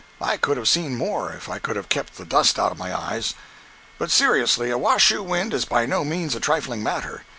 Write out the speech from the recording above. I could have seen more, if I could have kept the dust out of my eyes. But seriously a Washoe wind is by no means a trifling matter.